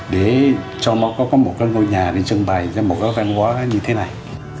để cho nó có một cái ngôi nhà để trưng bày một cái văn hóa như thế này